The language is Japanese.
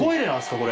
これ。